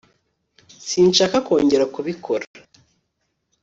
sinshaka kongera kubikora